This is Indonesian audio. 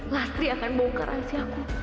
lastri akan bongkar aja aku